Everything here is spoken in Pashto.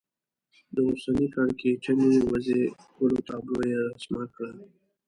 د اوسنۍ کړکېچنې وضعې ښکلې تابلو یې رسم کړه.